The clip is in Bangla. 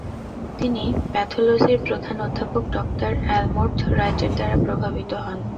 তিনি প্যাথোলজির প্রধান অধ্যাপক ড. আলমোর্থ রাইটের দ্বারা প্রভাবিত হন।